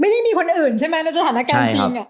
ไม่ได้มีคนอื่นใช่ไหมในสถานการณ์จริง